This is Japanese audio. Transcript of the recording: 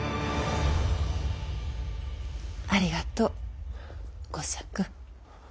ありがとう吾作。